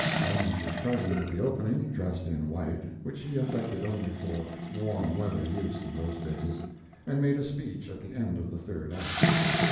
Clemens was present at the opening, dressed in white, which he affected only for warm weather use in those days, and made a speech at the end of the third act.